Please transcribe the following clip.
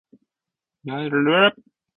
南界为。